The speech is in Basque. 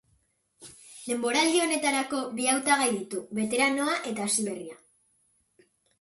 Denboraldi honetarako bi hautagai ditu: beteranoa eta hasiberria.